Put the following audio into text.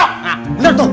nah bener tuh